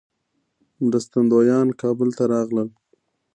مرستندویان کابل ته راغلل.